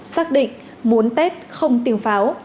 xác định muốn test không tiêu pháo